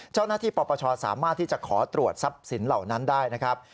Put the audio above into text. เจ้าหน้าที่ปรปชสามารถที่จะขอตรวจทรัพย์สินเหล่านั้นได้นะครับ